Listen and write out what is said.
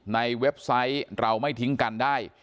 เว็บไซต์เราไม่ทิ้งกันได้